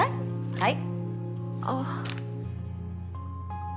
はい。